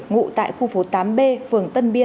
ngụ tại khu phố tám b phường tân biên